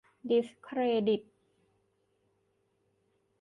ดิสเครดิต